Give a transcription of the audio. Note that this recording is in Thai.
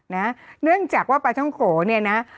เนื่องจากว่าปลาท่องโขเนี่ยนะ